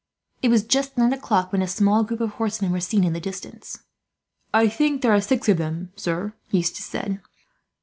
It was just nine o'clock when a small group of horsemen were seen in the distance. "I think there are six of them, sir," Eustace said.